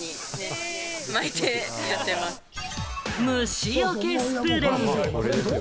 虫よけスプレー。